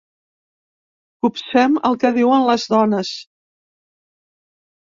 Copsem el que diuen les dones.